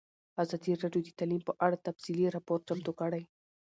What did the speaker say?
ازادي راډیو د تعلیم په اړه تفصیلي راپور چمتو کړی.